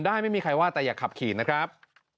แต่อย่าขับขี่นะครับ